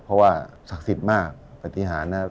เพราะว่าศักดิ์สิทธิ์มากปฏิหารนะครับ